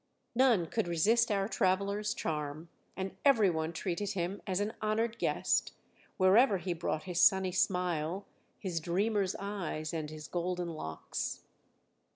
None could resist our traveller's charm, and every one treated him as an honoured guest, wherever he brought his sunny smile, his dreamer's eyes, and his golden locks.